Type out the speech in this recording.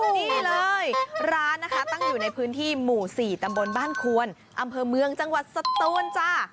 นี่เลยร้านนะคะตั้งอยู่ในพื้นที่หมู่๔ตำบลบ้านควนอำเภอเมืองจังหวัดสตูนจ้า